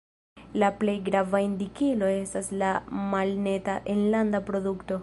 La plej grava indikilo estas la Malneta Enlanda Produkto.